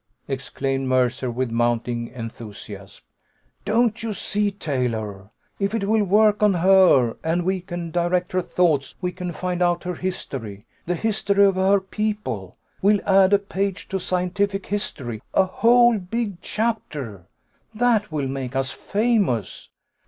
exclaimed Mercer with mounting enthusiasm. "Don't you see, Taylor? If it will work on her, and we can direct her thoughts, we can find out her history, the history of her people! We'll add a page to scientific history a whole big chapter! that will make us famous.